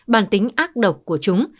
bản tính ác độc của chúng